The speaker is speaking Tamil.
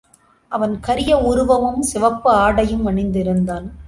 அவன் கரிய உருவமும் சிவப்பு ஆடையும் அணிந்திருந்தான்.